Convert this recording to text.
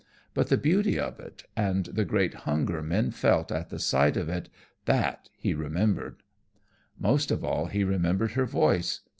But the beauty of it, and the great hunger men felt at the sight of it, that he remembered. Most of all he remembered her voice.